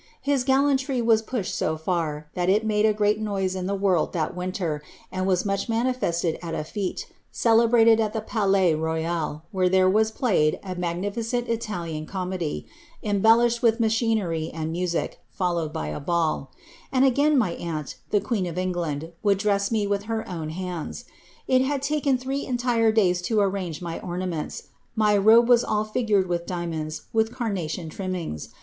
Hii gallantry was pushed so far, that it made a great noise in the world that winter, and was much manifested at a f<$te, celebrated at the Palais Royal, where there was played a magnificent Italian comedy, embel liahed with machinery and music, followed by a ball; and again my aant, the queen of England, would dress me with her own hands. It had taken three entire days to arrange my ornaments. My robe was all %Dred with diamonds, with carnation trimmings.